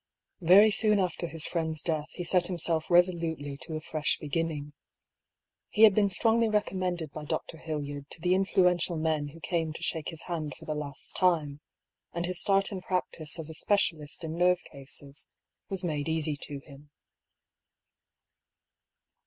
Very soon after his friend's death he set himself resolutely to a fresh beginning. He had been strongly recommended by Dr. Hildyard to the influential men who came to shake his hand for the last time ; and his start in practice as a specialist in nerve cases was made easy to him.